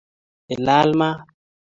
ilal maat